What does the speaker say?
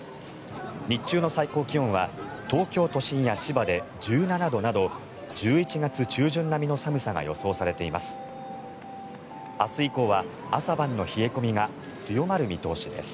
日中の最高気温は東京都心や千葉で１７度など１１月中旬並みの寒さが予想されています。